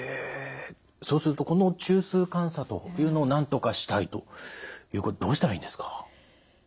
そうするとこの中枢感作というのをなんとかしたいということでどうしたらいいんですか？